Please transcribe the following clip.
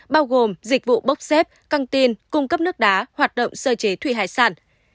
bao gồm dịch vụ bốc xếp căng tin cung cấp nước đá hoạt động sơ chế thủy hải sản